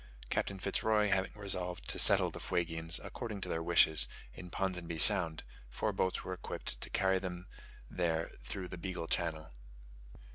Captain Fitz Roy having resolved to settle the Fuegians, according to their wishes, in Ponsonby Sound, four boats were equipped to carry them there through the Beagle Channel.